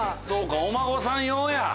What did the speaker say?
そうかお孫さん用や。